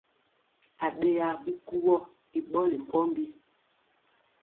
Aɗeya bikuwɔ i ɓɔli mpɔmbi.